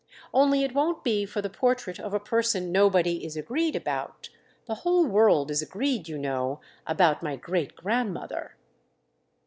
Only it won't be for the portrait of a person nobody is agreed about. The whole world is agreed, you know, about my great grandmother."